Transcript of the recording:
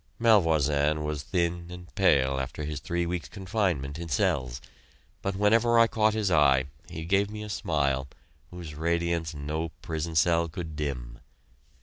Malvoisin was thin and pale after his three weeks' confinement in cells, but whenever I caught his eye he gave me a smile whose radiance no prison cell could dim.